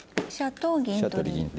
飛車と銀取り。